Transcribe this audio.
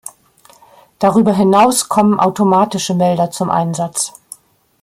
Darüber hinaus kommen automatische Melder zum Einsatz.